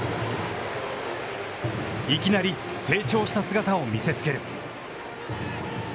いきなり成長した姿を見せつける。